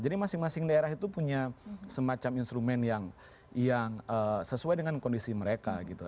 jadi masing masing daerah itu punya semacam instrumen yang sesuai dengan kondisi mereka gitu